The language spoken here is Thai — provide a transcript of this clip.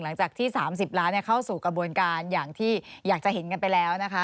หลังจากที่๓๐ล้านเข้าสู่กระบวนการอย่างที่อยากจะเห็นกันไปแล้วนะคะ